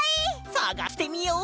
さがしてみよう！